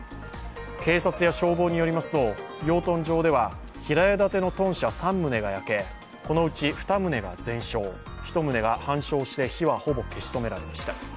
警察や消防によりますと養豚場では平屋建ての豚舎３棟が焼け、このうち２棟が全焼、１棟が半焼して火はほぼ消し止められました。